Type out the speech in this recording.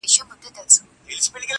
شک یې نسته په ایمان کي،